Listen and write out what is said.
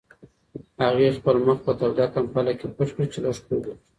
هغې خپل مخ په توده کمپله کې پټ کړ چې لږ خوب وکړي.